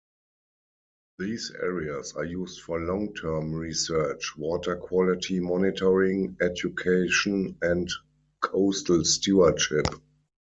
These areas are used for long-term research, water-quality monitoring, education, and coastal stewardship.